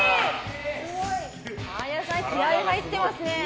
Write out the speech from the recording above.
ＡＹＡさん、気合入ってますね。